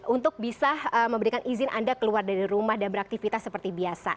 untuk bisa memberikan izin anda keluar dari rumah dan beraktivitas seperti biasa